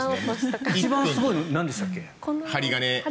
一番すごいのなんでしたっけ？